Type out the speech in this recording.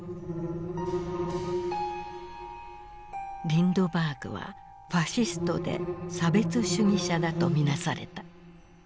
リンドバーグはファシストで差別主義者だと見なされた。